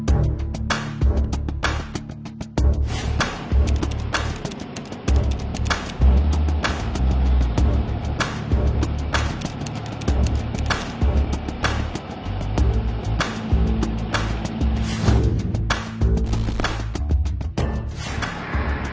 อันดับสุดท้าย